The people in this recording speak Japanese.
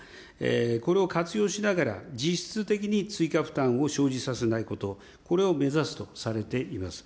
これを活用しながら実質的に追加負担を生じさせないこと、これを目指すとされています。